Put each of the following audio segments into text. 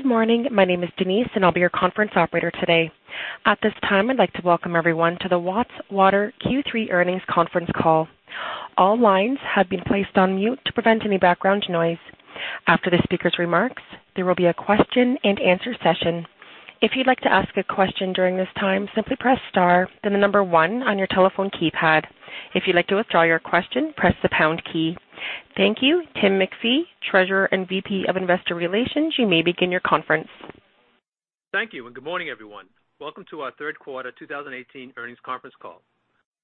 Good morning. My name is Denise, and I'll be your conference operator today. At this time, I'd like to welcome everyone to the Watts Water Q3 Earnings Conference Call. All lines have been placed on mute to prevent any background noise. After the speaker's remarks, there will be a question-and-answer session. If you'd like to ask a question during this time, simply press star, then the number one on your telephone keypad. If you'd like to withdraw your question, press the pound key. Thank you, Tim MacPhee, Treasurer and VP of Investor Relations. You may begin your conference. Thank you, and good morning, everyone. Welcome to our Q3 2018 Earnings Conference Call.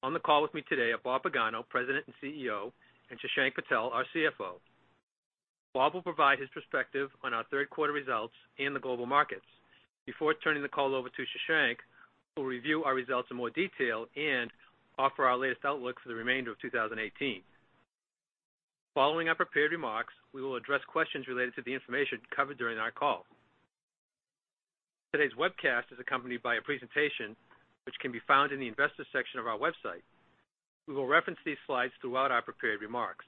On the call with me today are Bob Pagano, President and CEO, and Shashank Patel, our CFO. Bob will provide his perspective on our Q3 results in the global markets. Before turning the call over to Shashank, we'll review our results in more detail and offer our latest outlook for the remainder of 2018. Following our prepared remarks, we will address questions related to the information covered during our call. Today's webcast is accompanied by a presentation which can be found in the Investors section of our website. We will reference these slides throughout our prepared remarks.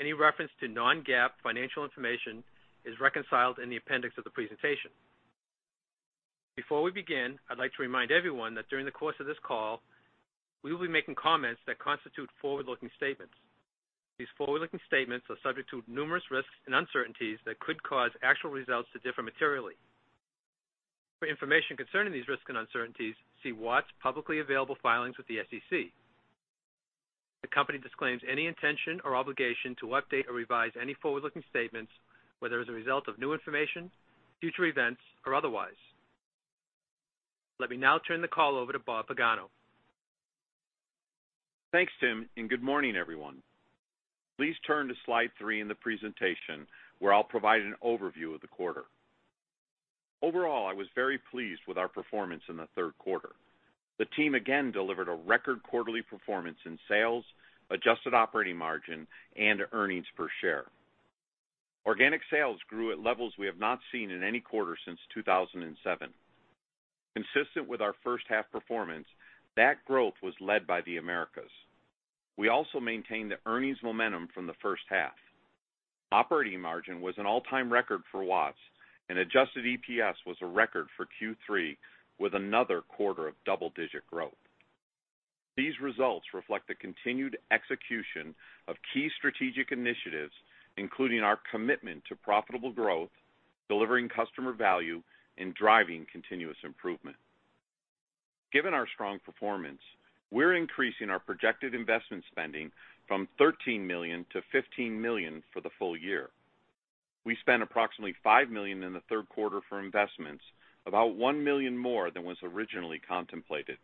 Any reference to non-GAAP financial information is reconciled in the appendix of the presentation. Before we begin, I'd like to remind everyone that during the course of this call, we will be making comments that constitute forward-looking statements. These forward-looking statements are subject to numerous risks and uncertainties that could cause actual results to differ materially. For information concerning these risks and uncertainties, see Watts' publicly available filings with the SEC. The company disclaims any intention or obligation to update or revise any forward-looking statements, whether as a result of new information, future events, or otherwise. Let me now turn the call over to Bob Pagano. Thanks, Tim, and good morning, everyone. Please turn to Slide three in the presentation, where I'll provide an overview of the quarter. Overall, I was very pleased with our performance in the Q3. The team again delivered a record quarterly performance in sales, adjusted operating margin, and earnings per share. Organic sales grew at levels we have not seen in any quarter since 2007. Consistent with our first half performance, that growth was led by the Americas. We also maintained the earnings momentum from the first half. Operating margin was an all-time record for Watts, and adjusted EPS was a record for Q3, with another quarter of double-digit growth. These results reflect the continued execution of key strategic initiatives, including our commitment to profitable growth, delivering customer value, and driving continuous improvement. Given our strong performance, we're increasing our projected investment spending from $13 million to $15 million for the full year. We spent approximately $5 million in the Q3 for investments, about $1 million more than was originally contemplated,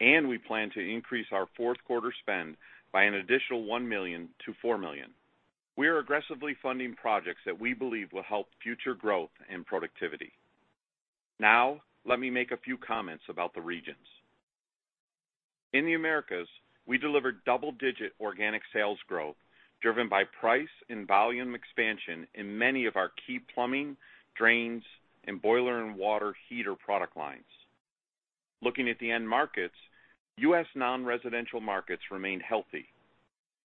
and we plan to increase our Q4 spend by an additional $1 million to $4 million. We are aggressively funding projects that we believe will help future growth and productivity. Now, let me make a few comments about the regions. In the Americas, we delivered double-digit organic sales growth, driven by price and volume expansion in many of our key plumbing, drains, and boiler and water heater product lines. Looking at the end markets, U.S. non-residential markets remain healthy.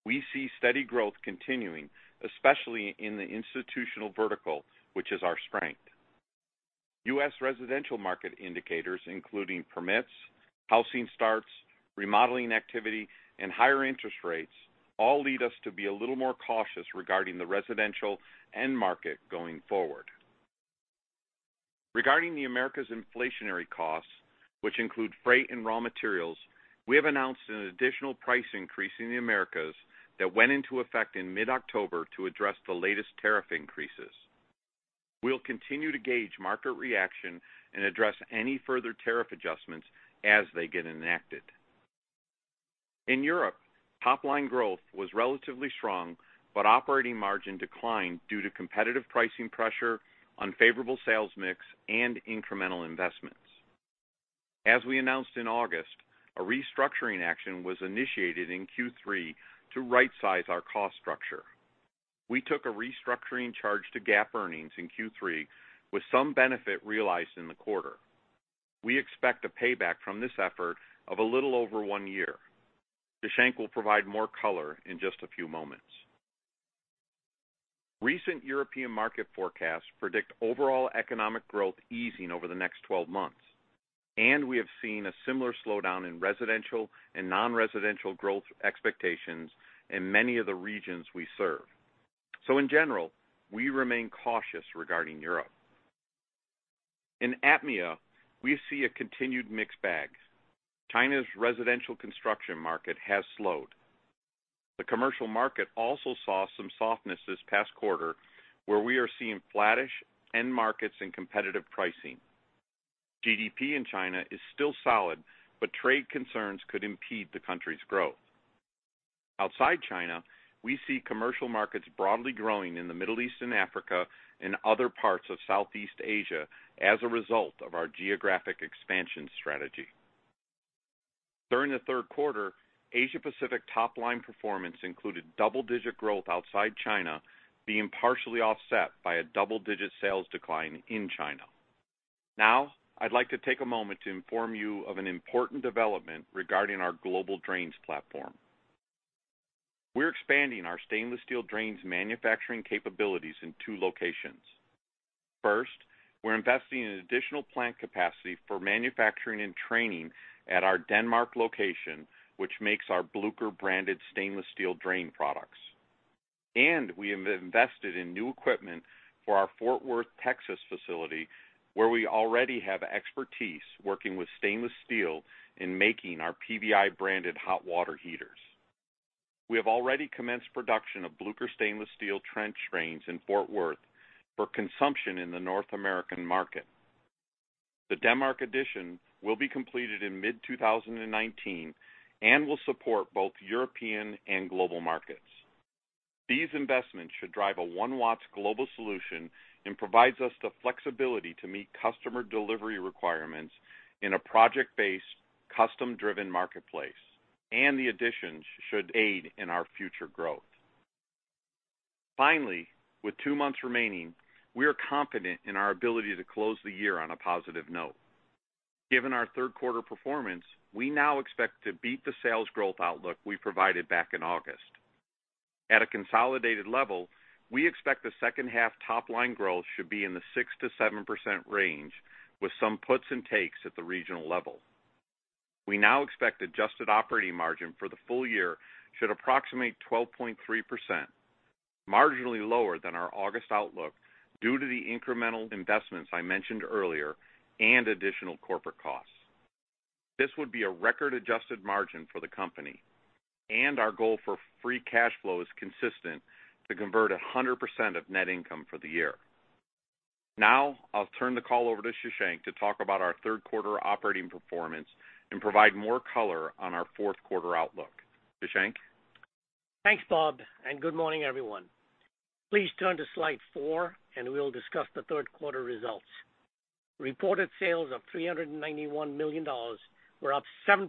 We see steady growth continuing, especially in the institutional vertical, which is our strength. U.S. residential market indicators, including permits, housing starts, remodeling activity, and higher interest rates, all lead us to be a little more cautious regarding the residential end market going forward. Regarding the Americas' inflationary costs, which include freight and raw materials, we have announced an additional price increase in the Americas that went into effect in mid-October to address the latest tariff increases. We'll continue to gauge market reaction and address any further tariff adjustments as they get enacted. In Europe, top-line growth was relatively strong, but operating margin declined due to competitive pricing pressure, unfavorable sales mix, and incremental investments. As we announced in August, a restructuring action was initiated in Q3 to rightsize our cost structure. We took a restructuring charge to GAAP earnings in Q3, with some benefit realized in the quarter. We expect a payback from this effort of a little over one year. Shashank will provide more color in just a few moments. Recent European market forecasts predict overall economic growth easing over the next 12 months, and we have seen a similar slowdown in residential and non-residential growth expectations in many of the regions we serve. In general, we remain cautious regarding Europe. In APMEA, we see a continued mixed bag. China's residential construction market has slowed. The commercial market also saw some softness this past quarter, where we are seeing flattish end markets and competitive pricing. GDP in China is still solid, but trade concerns could impede the country's growth. Outside China, we see commercial markets broadly growing in the Middle East and Africa and other parts of Southeast Asia as a result of our geographic expansion strategy. During the Q3, Asia Pacific top-line performance included double-digit growth outside China, being partially offset by a double-digit sales decline in China. Now, I'd like to take a moment to inform you of an important development regarding our global drains platform. We're expanding our stainless steel drains manufacturing capabilities in two locations. First, we're investing in additional plant capacity for manufacturing and training at our Denmark location, which makes our BLÜCHER branded stainless steel drain products. We have invested in new equipment for our Fort Worth, Texas, facility, where we already have expertise working with stainless steel in making our PVI-branded hot water heaters. We have already commenced production of BLÜCHER stainless steel trench drains in Fort Worth for consumption in the North American market. The Denmark addition will be completed in mid-2019, and will support both European and global markets. These investments should drive a One Watts global solution and provides us the flexibility to meet customer delivery requirements in a project-based, custom-driven marketplace, and the additions should aid in our future growth. Finally, with two months remaining, we are confident in our ability to close the year on a positive note. Given our Q3 performance, we now expect to beat the sales growth outlook we provided back in August. At a consolidated level, we expect the second half top line growth should be in the 6%-7% range, with some puts and takes at the regional level. We now expect adjusted operating margin for the full year should approximate 12.3%, marginally lower than our August outlook, due to the incremental investments I mentioned earlier and additional corporate costs. This would be a record-adjusted margin for the company, and our goal for free cash flow is consistent to convert 100% of net income for the year. Now, I'll turn the call over to Shashank to talk about our Q3 operating performance and provide more color on our Q4 outlook. Shashank? Thanks, Bob, and good morning, everyone. Please turn to slide four, and we'll discuss the Q3 results. Reported sales of $391 million were up 7%,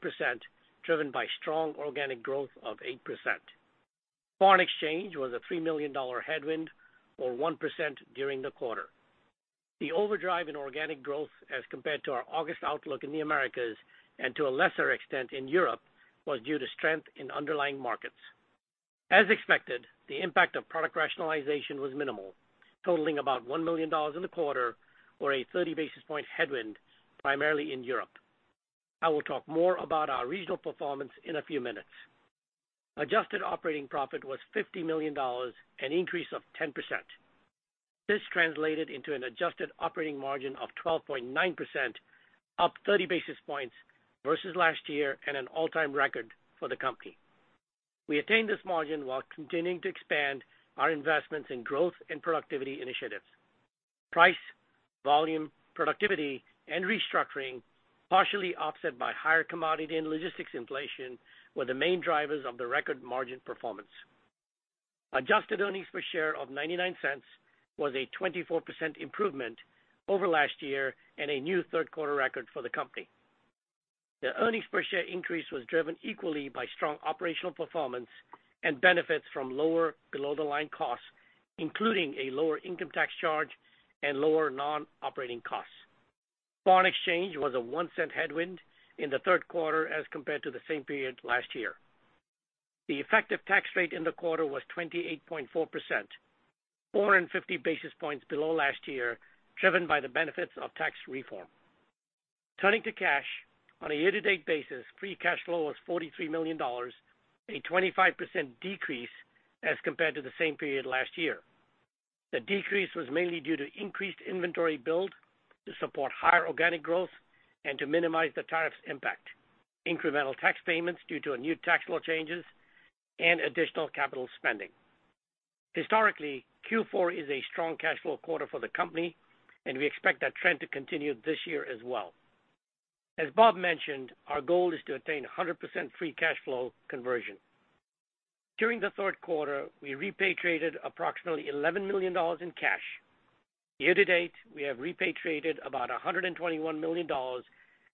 driven by strong organic growth of 8%. Foreign exchange was a $3 million headwind, or 1%, during the quarter. The overdrive in organic growth, as compared to our August outlook in the Americas, and to a lesser extent in Europe, was due to strength in underlying markets. As expected, the impact of product rationalization was minimal, totaling about $1 million in the quarter, or a 30 basis point headwind, primarily in Europe. I will talk more about our regional performance in a few minutes. Adjusted operating profit was $50 million, an increase of 10%. This translated into an adjusted operating margin of 12.9%, up 30 basis points versus last year and an all-time record for the company. We attained this margin while continuing to expand our investments in growth and productivity initiatives. Price, volume, productivity, and restructuring, partially offset by higher commodity and logistics inflation, were the main drivers of the record margin performance. Adjusted earnings per share of $0.99 was a 24% improvement over last year and a new Q3 record for the company. The earnings per share increase was driven equally by strong operational performance and benefits from lower below-the-line costs, including a lower income tax charge and lower non-operating costs. Foreign exchange was a $0.01 headwind in the Q3 as compared to the same period last year. The effective tax rate in the quarter was 28.4%, 450 basis points below last year, driven by the benefits of tax reform. Turning to cash, on a year-to-date basis, free cash flow was $43 million, a 25% decrease as compared to the same period last year. The decrease was mainly due to increased inventory build to support higher organic growth and to minimize the tariffs impact, incremental tax payments due to new tax law changes, and additional capital spending. Historically, Q4 is a strong cash flow quarter for the company, and we expect that trend to continue this year as well. As Bob mentioned, our goal is to attain 100% free cash flow conversion. During the Q3, we repatriated approximately $11 million in cash. Year to date, we have repatriated about $121 million,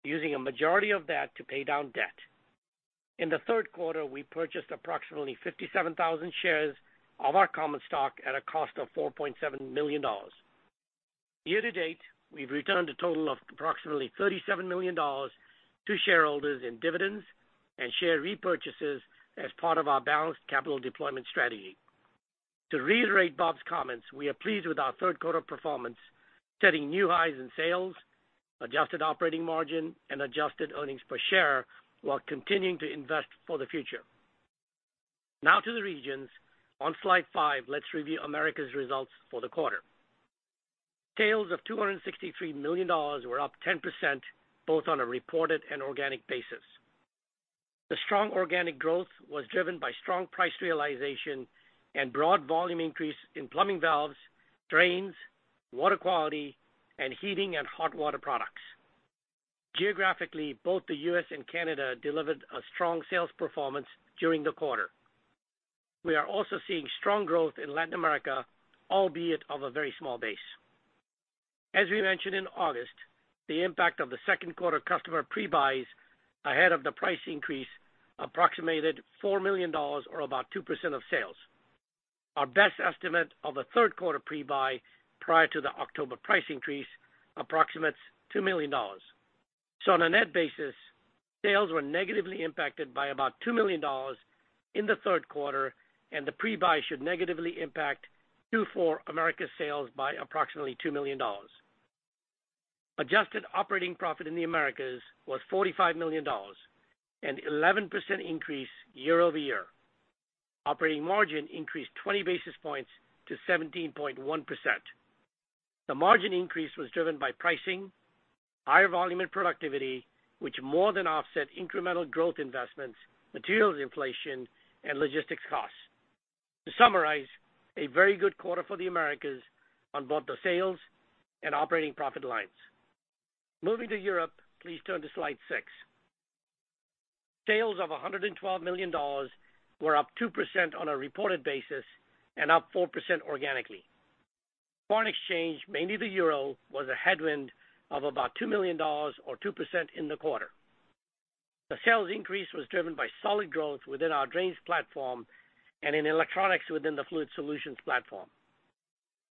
using a majority of that to pay down debt. In the Q3, we purchased approximately 57,000 shares of our common stock at a cost of $4.7 million. Year to date, we've returned a total of approximately $37 million to shareholders in dividends and share repurchases as part of our balanced capital deployment strategy. To reiterate Bob's comments, we are pleased with our Q3 performance, setting new highs in sales, adjusted operating margin, and adjusted earnings per share, while continuing to invest for the future. Now to the regions. On slide five, let's review Americas' results for the quarter. Sales of $263 million were up 10%, both on a reported and organic basis. The strong organic growth was driven by strong price realization and broad volume increase in plumbing valves, drains, water quality, and heating and hot water products. Geographically, both the U.S. and Canada delivered a strong sales performance during the quarter. We are also seeing strong growth in Latin America, albeit of a very small base. As we mentioned in August, the impact of the Q2 customer pre-buys ahead of the price increase approximated $4 million, or about 2% of sales. Our best estimate of the Q3 pre-buy prior to the October price increase approximates $2 million. So on a net basis, sales were negatively impacted by about $2 million in the Q3, and the pre-buy should negatively impact Q4 America's sales by approximately $2 million. Adjusted operating profit in the Americas was $45 million, an 11% increase year-over-year. Operating margin increased 20 basis points to 17.1%. The margin increase was driven by pricing, higher volume and productivity, which more than offset incremental growth investments, materials inflation, and logistics costs. To summarize, a very good quarter for the Americas on both the sales and operating profit lines. Moving to Europe, please turn to Slide six. Sales of $112 million were up 2% on a reported basis and up 4% organically. Foreign exchange, mainly the euro, was a headwind of about $2 million or 2% in the quarter. The sales increase was driven by solid growth within our drains platform and in electronics within the fluid solutions platform.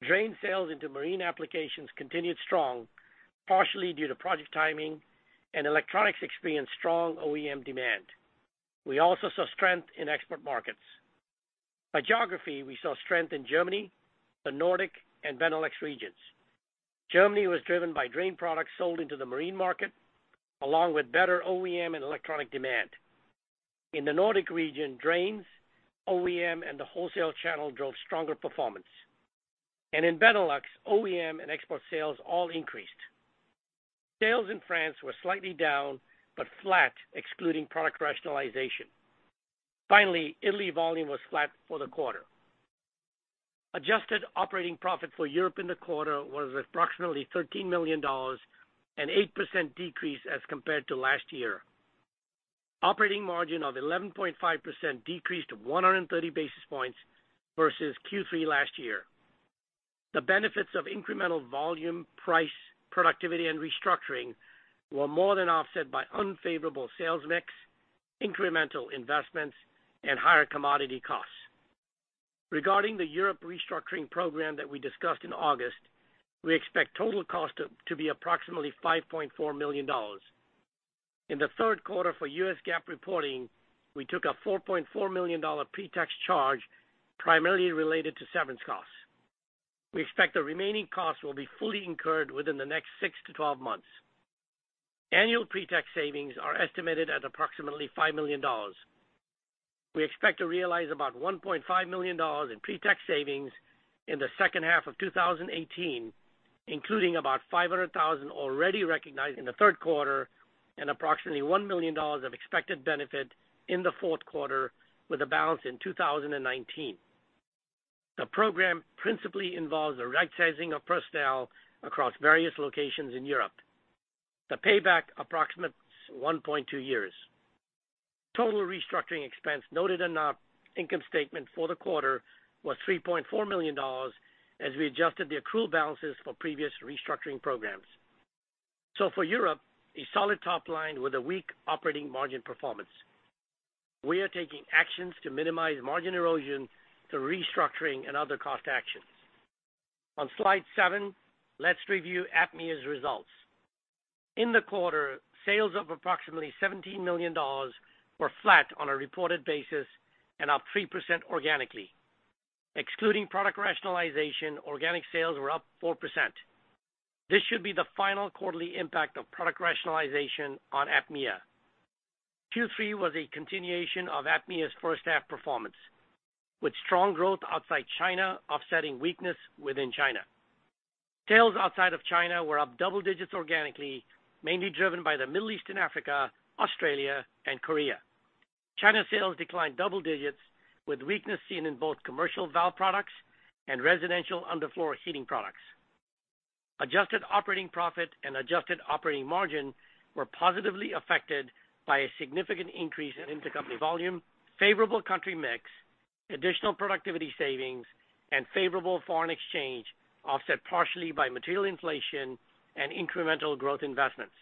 Drain sales into marine applications continued strong, partially due to project timing, and electronics experienced strong OEM demand. We also saw strength in export markets. By geography, we saw strength in Germany, the Nordic, and Benelux regions. Germany was driven by drain products sold into the marine market, along with better OEM and electronic demand. In the Nordic region, drains, OEM, and the wholesale channel drove stronger performance. And in Benelux, OEM and export sales all increased. Sales in France were slightly down, but flat, excluding product rationalization. Finally, Italy volume was flat for the quarter. Adjusted operating profit for Europe in the quarter was approximately $13 million, an 8% decrease as compared to last year. Operating margin of 11.5% decreased 130 basis points versus Q3 last year. The benefits of incremental volume, price, productivity, and restructuring were more than offset by unfavorable sales mix, incremental investments, and higher commodity costs. Regarding the Europe restructuring program that we discussed in August, we expect total cost to be approximately $5.4 million. In the Q3 for U.S. GAAP reporting, we took a $4.4 million pre-tax charge, primarily related to severance costs. We expect the remaining costs will be fully incurred within the next 6-12 months. Annual pre-tax savings are estimated at approximately $5 million. We expect to realize about $1.5 million in pre-tax savings in the second half of 2018, including about $500,000 already recognized in the Q3 and approximately $1 million of expected benefit in the Q4, with a balance in 2019. The program principally involves a rightsizing of personnel across various locations in Europe. The payback approximates 1.2 years. Total restructuring expense noted in our income statement for the quarter was $3.4 million, as we adjusted the accrual balances for previous restructuring programs. So for Europe, a solid top line with a weak operating margin performance. We are taking actions to minimize margin erosion through restructuring and other cost actions. On slide seven, let's review APMEA's results. In the quarter, sales of approximately $17 million were flat on a reported basis and up 3% organically. Excluding product rationalization, organic sales were up 4%. This should be the final quarterly impact of product rationalization on APMEA. Q3 was a continuation of APMEA's first half performance, with strong growth outside China offsetting weakness within China. Sales outside of China were up double digits organically, mainly driven by the Middle East and Africa, Australia, and Korea. China sales declined double digits, with weakness seen in both commercial valve products and residential underfloor heating products. Adjusted operating profit and adjusted operating margin were positively affected by a significant increase in intercompany volume, favorable country mix, additional productivity savings, and favorable foreign exchange, offset partially by material inflation and incremental growth investments.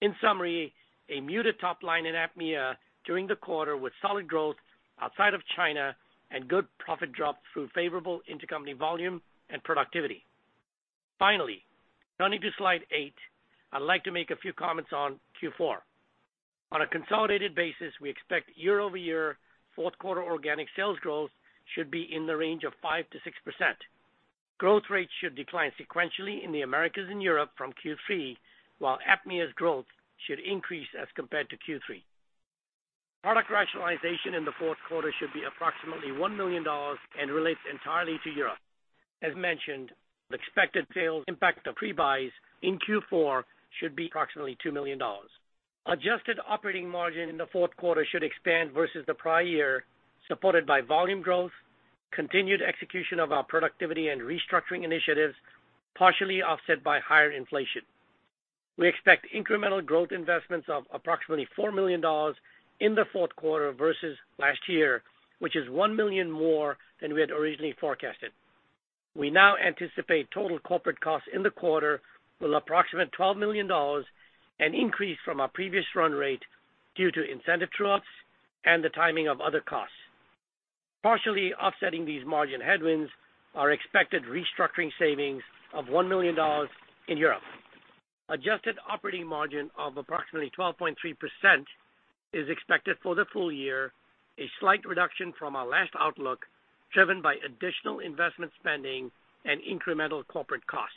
In summary, a muted top line in APMEA during the quarter, with solid growth outside of China and good profit drop through favorable intercompany volume and productivity. Finally, turning to slide eight, I'd like to make a few comments on Q4. On a consolidated basis, we expect year-over-year Q4 organic sales growth should be in the range of 5%-6%. Growth rates should decline sequentially in the Americas and Europe from Q3, while APMEA's growth should increase as compared to Q3. Product rationalization in the Q4 should be approximately $1 million and relates entirely to Europe. As mentioned, the expected sales impact of pre-buys in Q4 should be approximately $2 million. Adjusted operating margin in the Q4 should expand versus the prior year, supported by volume growth, continued execution of our productivity and restructuring initiatives, partially offset by higher inflation. We expect incremental growth investments of approximately $4 million in the Q4 versus last year, which is $1 million more than we had originally forecasted. We now anticipate total corporate costs in the quarter will approximate $12 million, an increase from our previous run rate due to incentive true-ups and the timing of other costs. Partially offsetting these margin headwinds are expected restructuring savings of $1 million in Europe. Adjusted operating margin of approximately 12.3% is expected for the full year, a slight reduction from our last outlook, driven by additional investment spending and incremental corporate costs.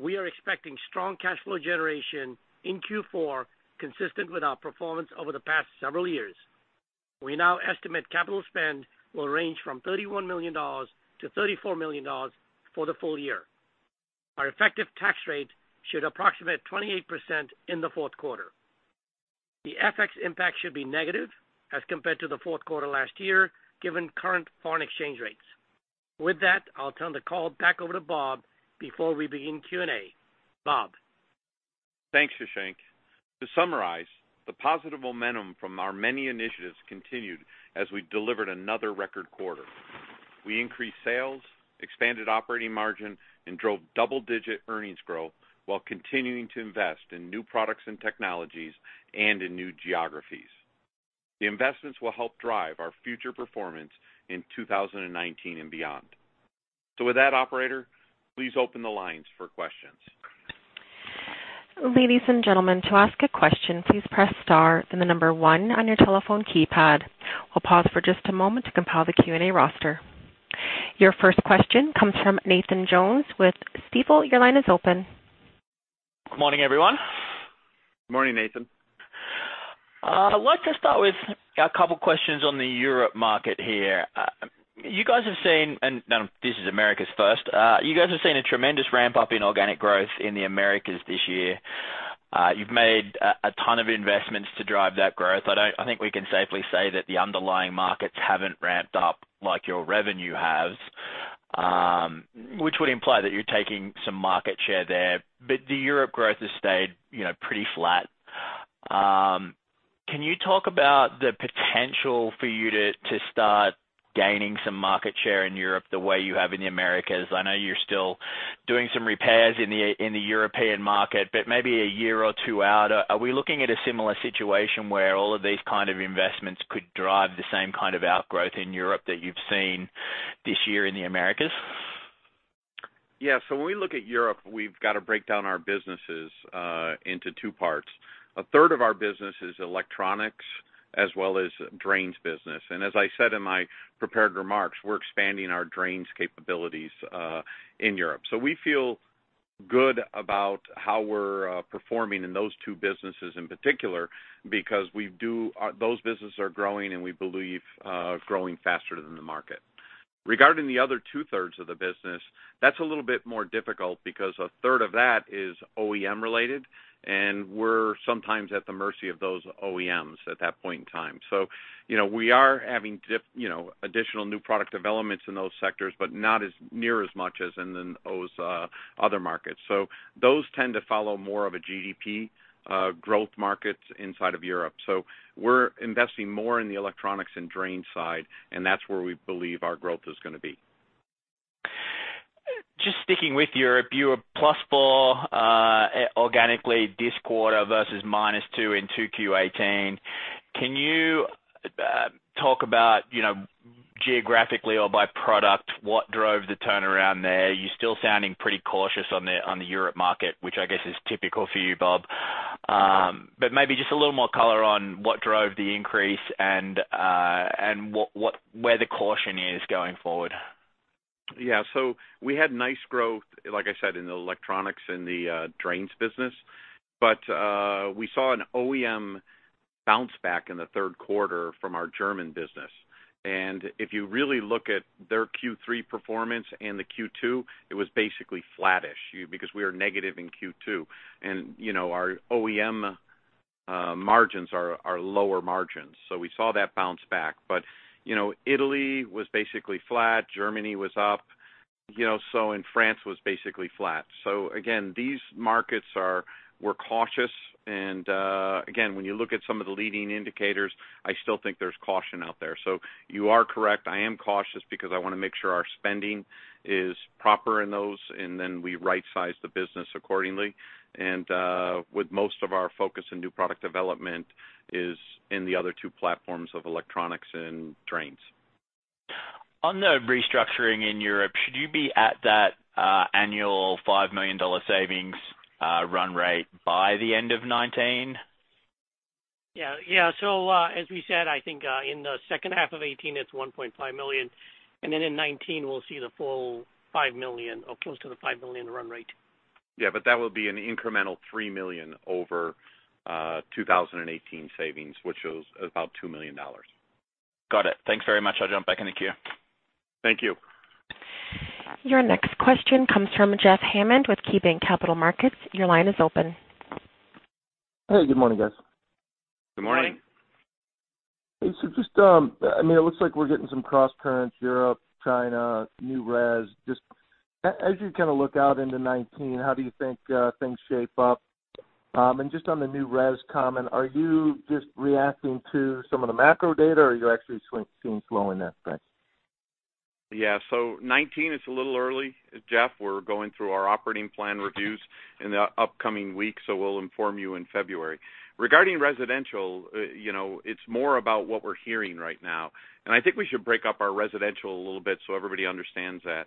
We are expecting strong cash flow generation in Q4, consistent with our performance over the past several years. We now estimate capital spend will range from $31 million to $34 million for the full year. Our effective tax rate should approximate 28% in the Q4. The FX impact should be negative as compared to the Q4 last year, given current foreign exchange rates. With that, I'll turn the call back over to Bob before we begin Q&A. Bob? Thanks, Shashank. To summarize, the positive momentum from our many initiatives continued as we delivered another record quarter. We increased sales, expanded operating margin, and drove double-digit earnings growth while continuing to invest in new products and technologies and in new geographies. The investments will help drive our future performance in 2019 and beyond. With that, operator, please open the lines for questions. Ladies and gentlemen, to ask a question, please press star, then the number one on your telephone keypad. We'll pause for just a moment to compile the Q&A roster. Your first question comes from Nathan Jones with Stifel. Your line is open. Good morning, everyone. Good morning, Nathan. I'd like to start with a couple questions on the Europe market here. You guys have seen, and this is Americas first. You guys have seen a tremendous ramp-up in organic growth in the Americas this year. You've made a ton of investments to drive that growth. I think we can safely say that the underlying markets haven't ramped up like your revenue has, which would imply that you're taking some market share there, but the Europe growth has stayed, you know, pretty flat. Can you talk about the potential for you to start gaining some market share in Europe the way you have in the Americas? I know you're still doing some repairs in the European market, but maybe a year or two out, are we looking at a similar situation where all of these kind of investments could drive the same kind of outgrowth in Europe that you've seen this year in the Americas? Yeah, so when we look at Europe, we've got to break down our businesses into two parts. A third of our business is electronics as well as drains business, and as I said in my prepared remarks, we're expanding our drains capabilities in Europe. So we feel good about how we're performing in those two businesses in particular, because we do those businesses are growing and we believe growing faster than the market. Regarding the other two-thirds of the business, that's a little bit more difficult because a third of that is OEM related, and we're sometimes at the mercy of those OEMs at that point in time. So, you know, we are having you know, additional new product developments in those sectors, but not as near as much as in those other markets. So those tend to follow more of a GDP growth market inside of Europe. So we're investing more in the electronics and drain side, and that's where we believe our growth is gonna be. Just sticking with Europe, you were +4 organically this quarter versus -2 in 2Q18. Can you talk about, you know, geographically or by product, what drove the turnaround there? You're still sounding pretty cautious on the, on the Europe market, which I guess is typical for you, Bob. But maybe just a little more color on what drove the increase and, and what, what, where the caution is going forward. Yeah, so we had nice growth, like I said, in the electronics and the drains business, but we saw an OEM bounce back in the Q3 from our German business. And if you really look at their Q3 performance and the Q2, it was basically flattish, because we were negative in Q2. And, you know, our OEM margins are lower margins, so we saw that bounce back. But, you know, Italy was basically flat, Germany was up, you know, so, and France was basically flat. So again, these markets are. We're cautious, and again, when you look at some of the leading indicators, I still think there's caution out there. So you are correct, I am cautious because I wanna make sure our spending is proper in those, and then we rightsize the business accordingly. With most of our focus in new product development is in the other two platforms of electronics and drains. On the restructuring in Europe, should you be at that annual $5 million savings run rate by the end of 2019? Yeah. Yeah, so, as we said, I think, in the second half of 2018, it's $1.5 million, and then in 2019, we'll see the full $5 million or close to the $5 million run rate. Yeah, but that will be an incremental $3 million over 2018 savings, which is about $2 million. Got it. Thanks very much. I'll jump back in the queue. Thank you. Your next question comes from Jeff Hammond with KeyBanc Capital Markets. Your line is open. Hey, good morning, guys. Good morning. Good morning. So just, I mean, it looks like we're getting some crosscurrents, Europe, China, new res. Just as you kind of look out into 2019, how do you think things shape up? And just on the new res comment, are you just reacting to some of the macro data, or are you actually seeing slowing that spread? Yeah. So 2019 is a little early, Jeff. We're going through our operating plan reviews in the upcoming weeks, so we'll inform you in February. Regarding residential, you know, it's more about what we're hearing right now, and I think we should break up our residential a little bit so everybody understands that.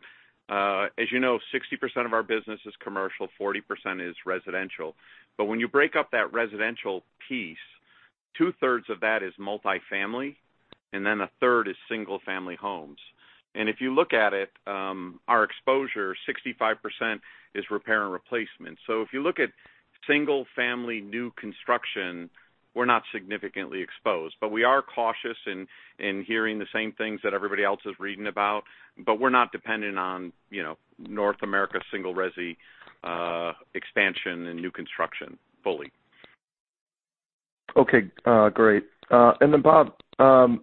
As you know, 60% of our business is commercial, 40% is residential. But when you break up that residential piece, two-thirds of that is multifamily, and then a third is single-family homes. And if you look at it, our exposure, 65% is repair and replacement. So if you look at single-family new construction, we're not significantly exposed. But we are cautious in hearing the same things that everybody else is reading about, but we're not dependent on, you know, North America single resi expansion and new construction fully. Okay, great. And then, Bob, on the,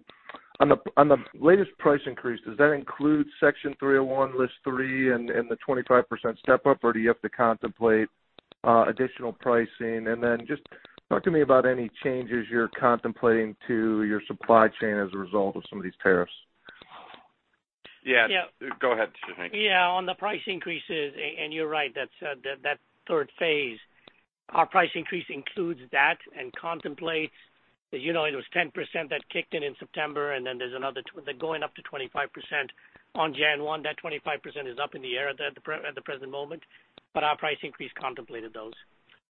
on the latest price increase, does that include Section 301, List 3, and the 25% step-up, or do you have to contemplate additional pricing? And then just talk to me about any changes you're contemplating to your supply chain as a result of some of these tariffs. Yeah- Yeah. Go ahead, Shashank. Yeah, on the price increases, and, and you're right, that's, that, that third phase, our price increase includes that and contemplates... As you know, it was 10% that kicked in in September, and then there's another - they're going up to 25% on January 1. That 25% is up in the air at the present moment, but our price increase contemplated those.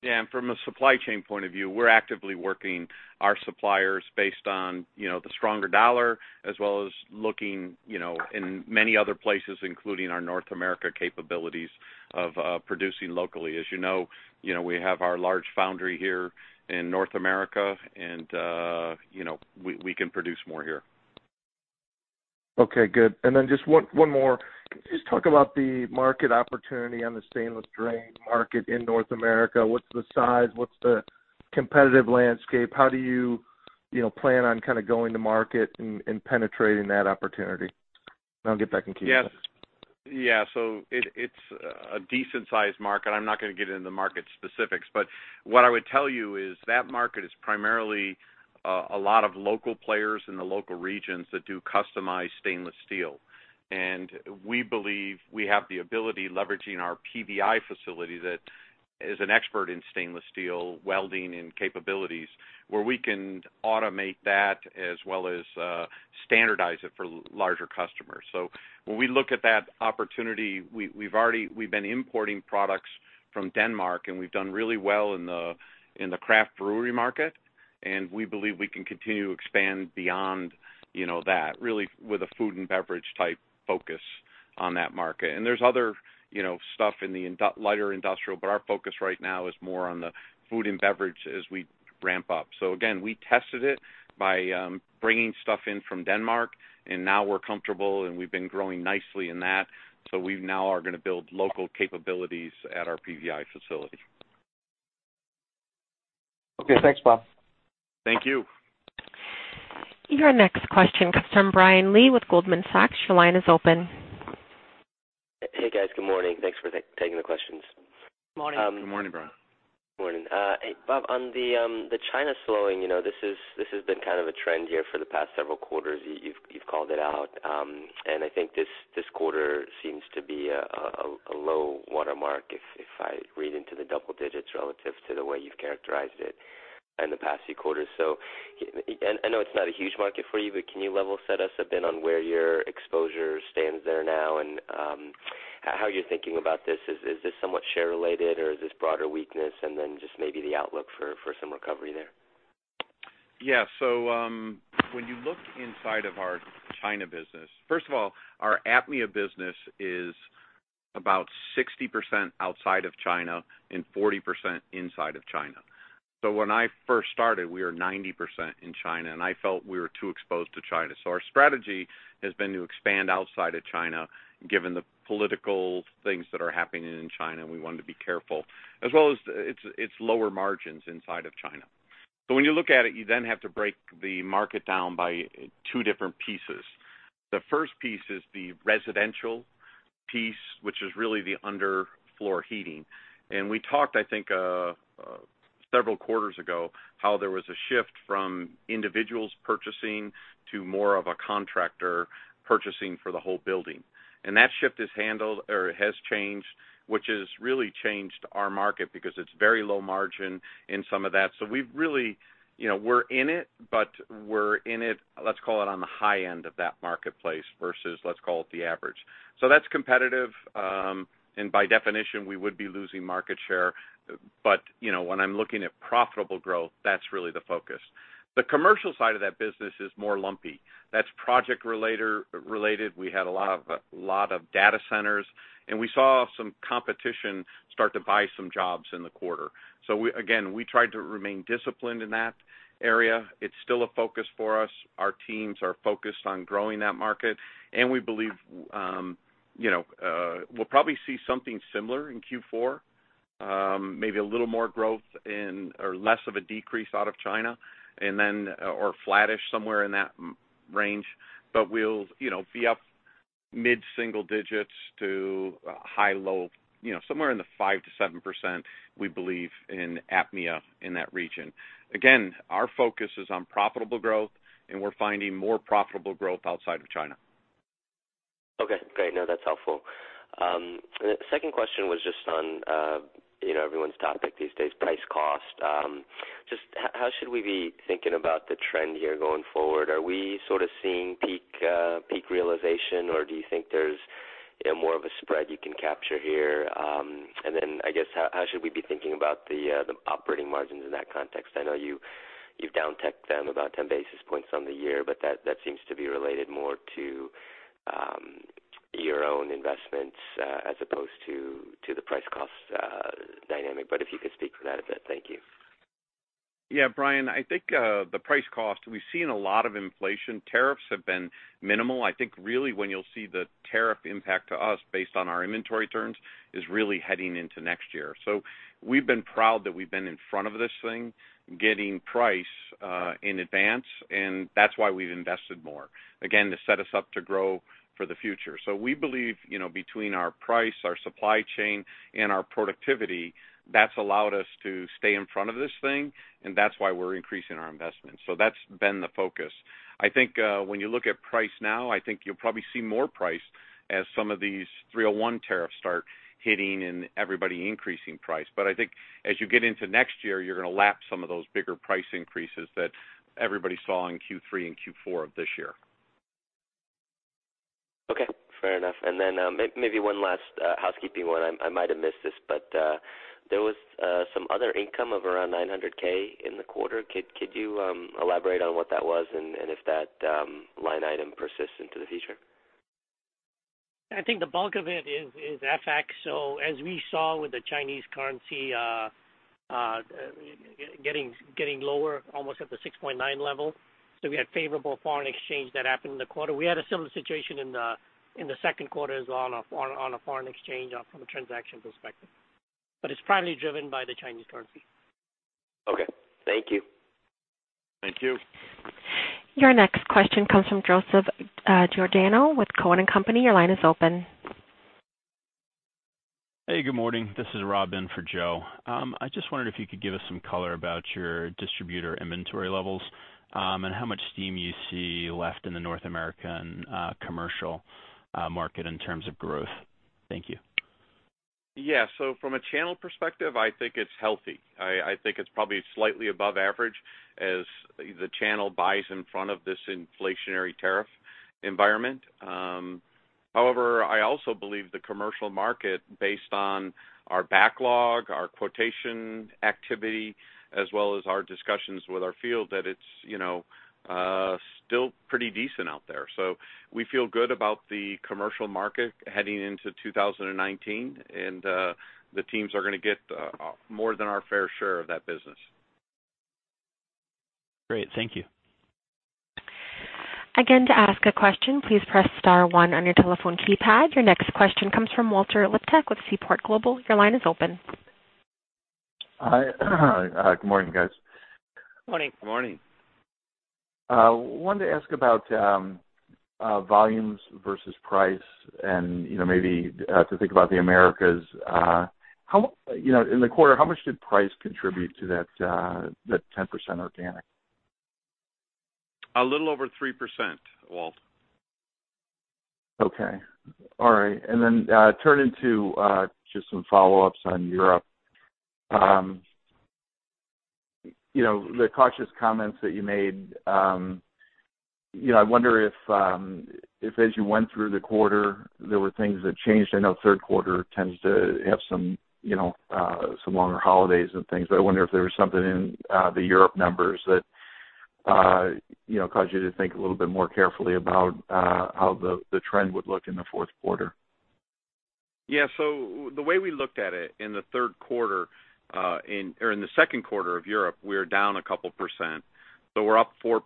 Yeah, and from a supply chain point of view, we're actively working our suppliers based on, you know, the stronger dollar, as well as looking, you know, in many other places, including our North America capabilities of producing locally. As you know, you know, we have our large foundry here in North America, and you know, we can produce more here. Okay, good. And then just one, one more. Can you just talk about the market opportunity on the stainless drain market in North America? What's the size? What's the competitive landscape? How do you, you know, plan on kind of going to market and, and penetrating that opportunity? And I'll get back in queue. Yes. Yeah, so it's a decent-sized market. I'm not gonna get into the market specifics, but what I would tell you is that market is primarily a lot of local players in the local regions that do customized stainless steel. And we believe we have the ability, leveraging our PVI facility, that is an expert in stainless steel welding and capabilities, where we can automate that as well as standardize it for larger customers. So when we look at that opportunity, we've already been importing products from Denmark, and we've done really well in the craft brewery market, and we believe we can continue to expand beyond, you know, that, really with a food and beverage-type focus on that market. And there's other, you know, stuff in the lighter industrial, but our focus right now is more on the food and beverage as we ramp up. So again, we tested it by bringing stuff in from Denmark, and now we're comfortable, and we've been growing nicely in that, so we now are gonna build local capabilities at our PVI facility. Okay, thanks, Bob. Thank you. Your next question comes from Brian Lee with Goldman Sachs. Your line is open. Hey, guys, good morning. Thanks for taking the questions. Morning. Good morning, Brian. Morning. Hey, Bob, on the China slowing, you know, this has been kind of a trend here for the past several quarters. You've called it out, and I think this quarter seems to be a low watermark, if I read into the double digits relative to the way you've characterized it in the past few quarters. So, and I know it's not a huge market for you, but can you level set us a bit on where your exposure stands there now and how you're thinking about this? Is this somewhat share related, or is this broader weakness? And then just maybe the outlook for some recovery there. Yeah. So, when you look inside of our China business—first of all, our APMEA business is about 60% outside of China and 40% inside of China. So when I first started, we were 90% in China, and I felt we were too exposed to China. So our strategy has been to expand outside of China, given the political things that are happening in China, we wanted to be careful, as well as its lower margins inside of China. So when you look at it, you then have to break the market down by two different pieces. The first piece is the residential piece, which is really the underfloor heating. And we talked, I think, several quarters ago, how there was a shift from individuals purchasing to more of a contractor purchasing for the whole building. That shift is handled, or has changed, which has really changed our market because it's very low margin in some of that. So we've really, you know, we're in it, but we're in it, let's call it, on the high end of that marketplace versus, let's call it, the average. So that's competitive, and by definition, we would be losing market share. But, you know, when I'm looking at profitable growth, that's really the focus. The commercial side of that business is more lumpy. That's project-related. We had a lot of data centers, and we saw some competition start to buy some jobs in the quarter. So we again, we tried to remain disciplined in that area. It's still a focus for us. Our teams are focused on growing that market, and we believe, you know, we'll probably see something similar in Q4, maybe a little more growth in or less of a decrease out of China and then, or flattish somewhere in that m- range. But we'll, you know, be mid-single digits to, high, low, you know, somewhere in the 5%-7%, we believe, in APMEA in that region. Again, our focus is on profitable growth, and we're finding more profitable growth outside of China. Okay, great. No, that's helpful. The second question was just on, you know, everyone's topic these days: price cost. Just how should we be thinking about the trend here going forward? Are we sort of seeing peak realization, or do you think there's, you know, more of a spread you can capture here? And then, I guess, how should we be thinking about the operating margins in that context? I know you've down-ticked them about 10 basis points on the year, but that seems to be related more to your own investments as opposed to the price cost dynamic. But if you could speak to that a bit. Thank you. Yeah, Brian, I think, the price cost, we've seen a lot of inflation. Tariffs have been minimal. I think, really, when you'll see the tariff impact to us based on our inventory terms, is really heading into next year. So we've been proud that we've been in front of this thing, getting price, in advance, and that's why we've invested more, again, to set us up to grow for the future. So we believe, you know, between our price, our supply chain, and our productivity, that's allowed us to stay in front of this thing, and that's why we're increasing our investment. So that's been the focus. I think, when you look at price now, I think you'll probably see more price as some of these 301 tariffs start hitting and everybody increasing price. I think as you get into next year, you're gonna lap some of those bigger price increases that everybody saw in Q3 and Q4 of this year. Okay, fair enough. And then, maybe one last housekeeping one. I might have missed this, but there was some other income of around $900K in the quarter. Could you elaborate on what that was and if that line item persists into the future? I think the bulk of it is FX. So as we saw with the Chinese currency getting lower, almost at the 6.9 level, so we had favorable foreign exchange that happened in the quarter. We had a similar situation in the Q2 as well on a foreign exchange from a transaction perspective, but it's primarily driven by the Chinese currency. Okay, thank you. Thank you. Your next question comes from Joseph Giordano with Cowen and Company. Your line is open. Hey, good morning. This is Rob in for Joe. I just wondered if you could give us some color about your distributor inventory levels, and how much steam you see left in the North American, commercial, market in terms of growth? Thank you. Yeah. So from a channel perspective, I think it's healthy. I, I think it's probably slightly above average as the channel buys in front of this inflationary tariff environment. However, I also believe the commercial market, based on our backlog, our quotation activity, as well as our discussions with our field, that it's, you know, still pretty decent out there. So we feel good about the commercial market heading into 2019, and the teams are gonna get more than our fair share of that business. Great. Thank you. Again, to ask a question, please press star one on your telephone keypad. Your next question comes from Walter Liptak with Seaport Global. Your line is open. Hi. Good morning, guys. Morning. Good morning. Wanted to ask about volumes versus price and, you know, maybe to think about the Americas. You know, in the quarter, how much did price contribute to that 10% organic? A little over 3%, Walt. Okay. All right, and then turning to just some follow-ups on Europe. You know, the cautious comments that you made, you know, I wonder if, if as you went through the quarter, there were things that changed. I know Q3 tends to have some, you know, some longer holidays and things. But I wonder if there was something in the Europe numbers that, you know, caused you to think a little bit more carefully about how the trend would look in the Q4. Yeah. So the way we looked at it, in the Q2 of Europe, we were down a couple%, but we're up 4%.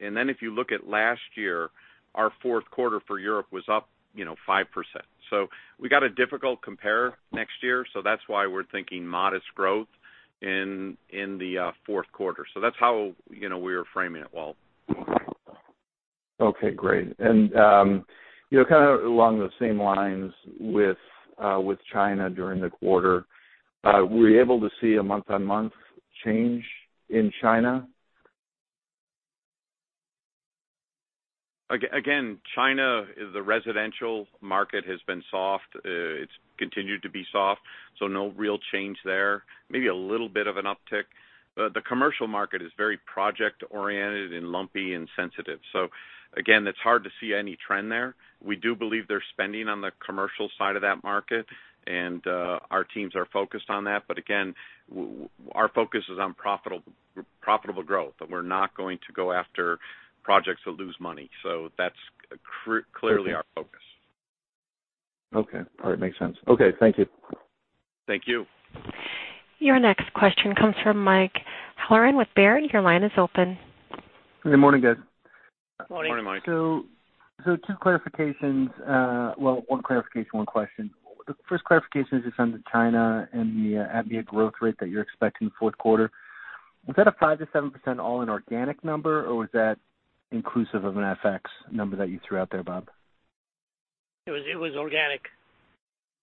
And then if you look at last year, our Q4 for Europe was up, you know, 5%. So we got a difficult compare next year, so that's why we're thinking modest growth in the Q4. So that's how, you know, we are framing it, Walt. Okay, great. And you know, kind of along the same lines with China during the quarter, were you able to see a month-on-month change in China? Again, China, the residential market has been soft. It's continued to be soft, so no real change there. Maybe a little bit of an uptick, but the commercial market is very project-oriented and lumpy and sensitive. So again, it's hard to see any trend there. We do believe they're spending on the commercial side of that market, and our teams are focused on that. But again, our focus is on profitable, profitable growth, and we're not going to go after projects that lose money. So that's clearly our focus. Okay. All right, makes sense. Okay, thank you. Thank you. Your next question comes from Mike Halloran with Baird. Your line is open. Good morning, guys. Morning. Morning, Mike. Two clarifications, well, one clarification, one question. The first clarification is just on the China and the APMEA growth rate that you're expecting Q4. Was that a 5%-7% all in organic number, or was that inclusive of an FX number that you threw out there, Bob? It was, it was organic.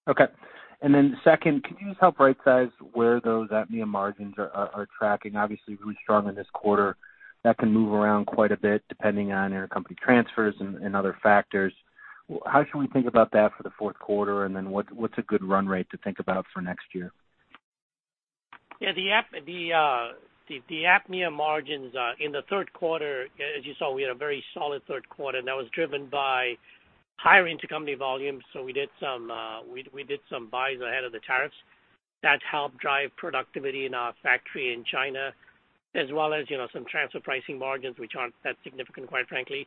Okay. And then second, can you just help rightsize where those APMEA margins are tracking? Obviously, really strong in this quarter. That can move around quite a bit, depending on intercompany transfers and other factors. How should we think about that for the Q4, and then what's a good run rate to think about for next year? Yeah, the APMEA margins in the Q3, as you saw, we had a very solid Q3, and that was driven by higher intercompany volumes. So we did some buys ahead of the tariffs. That helped drive productivity in our factory in China, as well as, you know, some transfer pricing margins, which aren't that significant, quite frankly.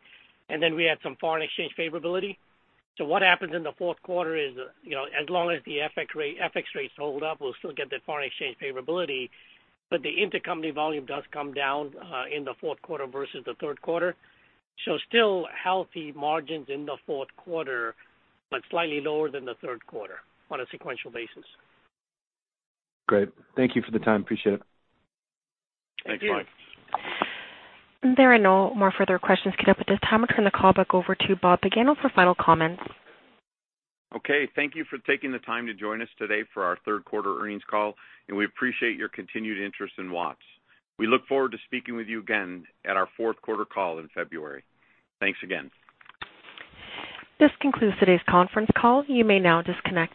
And then we had some foreign exchange favorability. So what happens in the Q4 is, you know, as long as the FX rate, FX rates hold up, we'll still get the foreign exchange favorability, but the intercompany volume does come down in the Q4 versus the Q3. So still healthy margins in the Q4, but slightly lower than the Q3 on a sequential basis. Great. Thank you for the time. Appreciate it. Thanks, Mike. There are no more further questions queued up at this time. I'll turn the call back over to Bob Pagano for final comments. Okay, thank you for taking the time to join us today for our Q3 earnings call, and we appreciate your continued interest in Watts. We look forward to speaking with you again at our Q4 call in February. Thanks again. This concludes today's Conference call. You may now disconnect.